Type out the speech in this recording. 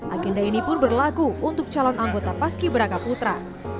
agenda ini pun berlaku untuk calon anggota paski beraka putra